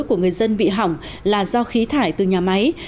của người dân bị hỏng là do khí thải từ nhà máy